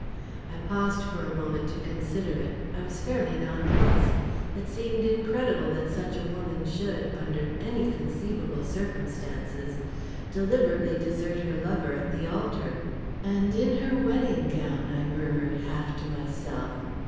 I paused a moment to consider it I was fairly nonplussed. It seemed incredible that such a woman should, under any conceivable circumstances, deliberately desert her lover at the altar! "And in her wedding gown!" I murmured, half to myself.